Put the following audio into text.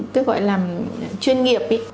tức gọi là chuyên nghiệp ấy